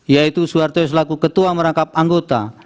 yaitu soeharto selaku ketua merangkap anggota